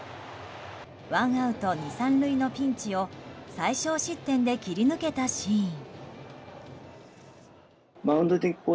ワンアウト２、３塁のピンチを最少失点で切り抜けたシーン。